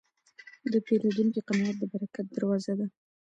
د پیرودونکي قناعت د برکت دروازه ده.